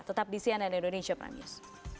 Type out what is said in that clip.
tetap di cnn indonesia prime news